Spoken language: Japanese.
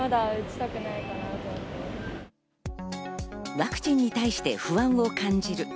ワクチンに対して不安を感じる。